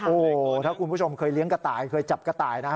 โอ้โหถ้าคุณผู้ชมเคยเลี้ยงกระต่ายเคยจับกระต่ายนะฮะ